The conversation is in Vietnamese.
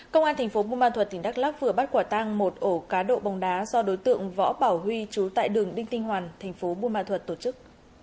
công an thành phố buôn ma thuật tỉnh đắk lắc vừa bắt quả tang một ổ cá độ bóng đá do đối tượng võ bảo huy trú tại đường đinh tinh hoàn thành phố buôn ma thuật tổ chức